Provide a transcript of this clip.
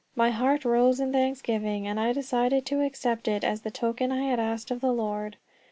My heart rose in thanksgiving, and I decided to accept it as the token I had asked of the Lord.